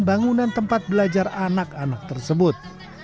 bangunan tempat belajar anak anak tersebut